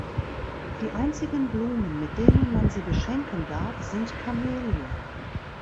Die einzigen Blumen, mit denen man sie beschenken darf, sind Kamelien.